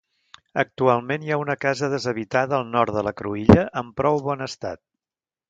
Actualment hi ha una casa deshabitada al nord de la cruïlla en prou bon estat.